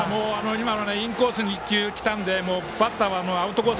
今のインコースに１球きたのでバッターはアウトコース